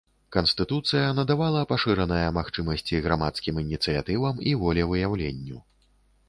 Канстытуцыя надавала пашыраныя магчымасці грамадзянскім ініцыятывам і волевыяўленню.